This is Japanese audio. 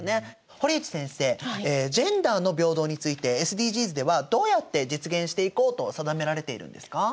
堀内先生ジェンダーの平等についてＳＤＧｓではどうやって実現していこうと定められているんですか？